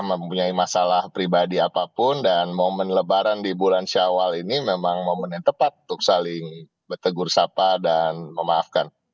mempunyai masalah pribadi apapun dan momen lebaran di bulan syawal ini memang momen yang tepat untuk saling bertegur sapa dan memaafkan